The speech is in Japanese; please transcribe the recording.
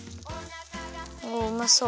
おおうまそう。